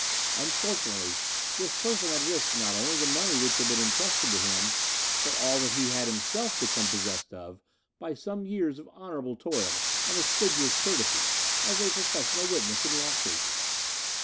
Unfortunately, this person had risked not only the money which had been entrusted to him, but all that he had himself become possessed of by some years of honourable toil and assiduous courtesy as a professional witness in law cases.